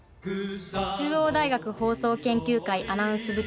中央大学放送研究会アナウンス部長の水本英里です。